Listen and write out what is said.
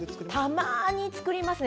たまに作りますね。